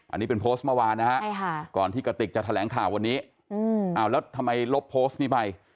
อันนี้เป็นโพสต์เมื่อวานนะฮะก่อนที่กระติกจะแถลงข่าววันนี้แล้วทำไมลบโพสต์นี้ไป